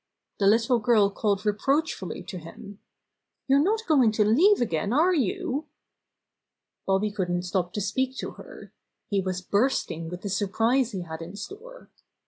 The little girl called reproachfully to him. "You're not go ing to leave again, are you?" Bobby couldn't stop to speak to her. He was bursting with the surprise he had in store.